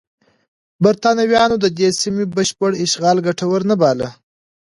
برېټانویانو د دې سیمې بشپړ اشغال ګټور نه باله.